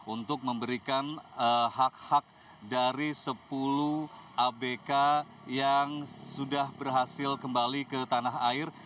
untuk memberikan hak hak dari sepuluh abk yang sudah berhasil kembali ke tanah air